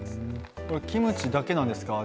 キムチだけなんですか？